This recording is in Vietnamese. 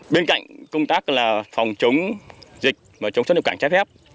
bên cạnh công tác là phòng chống dịch và chống xuất nhập cảnh trái phép